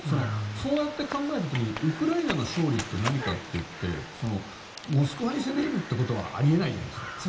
そうやって考えた時にウクライナの勝利って何かってモスクワに攻め入るのはあり得ないじゃないですか。